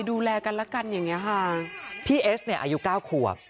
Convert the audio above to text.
ดูแลกันแล้วกันอย่างเงี้ค่ะพี่เอสเนี่ยอายุเก้าขวบ